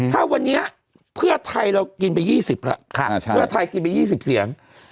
ถ้าวันนี้เพื่อไทยเรากินไป๒๐เสียง